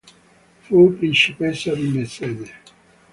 Fu principessa di Messene.